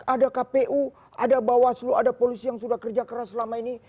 ada kpu ada bawaslu ada polisi yang sudah kerja keras selama ini